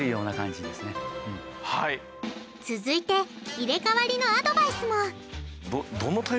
続いて入れかわりのアドバイスも！